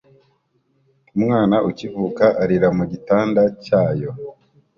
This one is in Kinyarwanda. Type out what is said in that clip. Umwana ukivuka arira mu gitanda cyayo